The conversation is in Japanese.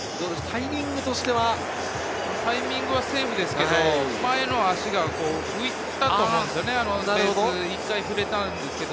タイミングとしてはセーフですけれど、前の足が浮いたと思うんですよね。